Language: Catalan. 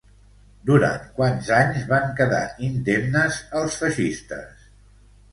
Durant quants anys van quedar indemnes, els feixistes?